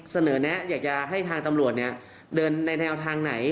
เสนอนัดอยากให้ทางตำรวจเดินในแนวทางไหน